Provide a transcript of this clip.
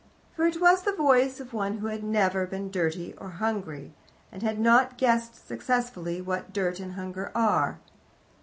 For it was the voice of one who had never been dirty or hungry, and had not guessed successfully what dirt and hunger are.